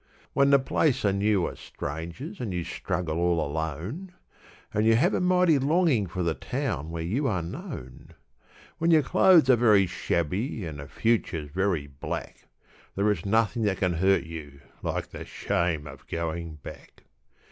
When the place and you are strangers and you struggle all alone, And you have a mighty longing for the town where you are known; When your clothes are very shabby and the future's very black, There is nothing that can hurt you like the shame of going back.